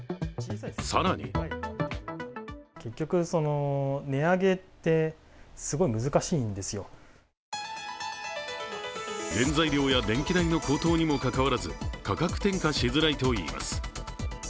更に原材料や電気代の高騰にもかかわらず価格転嫁しづらいと言います。